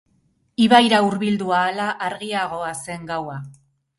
Ibaira hurbildu ahala argiagoa zen gaua.